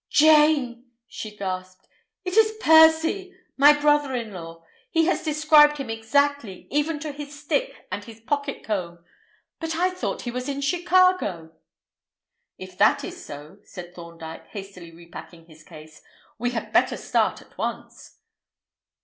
"Jane!" she gasped, "it is Percy—my brother in law! He has described him exactly, even to his stick and his pocket comb. But I thought he was in Chicago." "If that is so," said Thorndyke, hastily repacking his case, "we had better start at once."